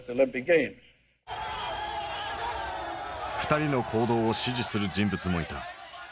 ２人の行動を支持する人物もいた。